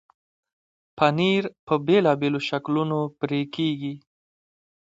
پنېر په بېلابېلو شکلونو پرې کېږي.